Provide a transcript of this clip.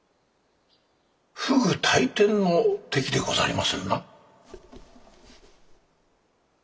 不倶戴天の敵でござりまするな。